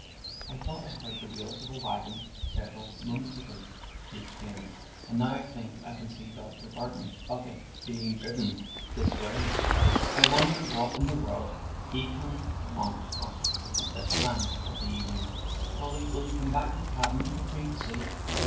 "I thought I heard the wheels of a wagon several moments ago," she explained, "and now I think I can see Dr. Barton's buggy being driven this way. I wonder what in the world he can want with us at this time of the evening? Polly, will you come back to the cabin with me to see."